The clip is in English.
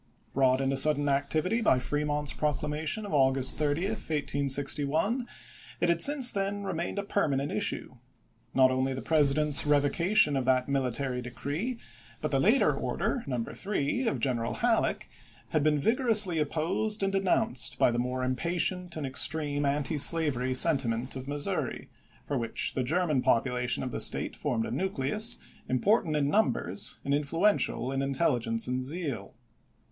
Brought into sudden activity by Fremont's proclamation of August 30, 1861, it had since then remained a permanent issue. Not only the Presi MISSOURI GUERRILLAS AND POLITICS 391 dent's revocation of that military decree but the later order, No. 3, of General Halleck, had been vigorously opposed and denounced by the more impatient and extreme antislavery sentiment of Missouri, for which the Grerman population of the State formed a nucleus, important in numbers and influential in inteUigence and zeal.